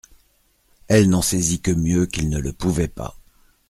Elle n’en saisit que mieux qu’il ne le pouvait pas.